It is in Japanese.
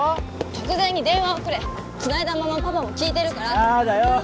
直前に電話をくれつないだままパパも聞いてるからやだよ